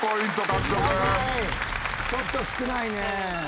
ちょっと少ないね。